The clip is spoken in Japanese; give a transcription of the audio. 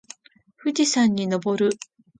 富士山にのぼる。